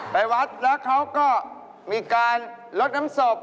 ไปวัดแล้วเขาก็มีการลดน้ำศพ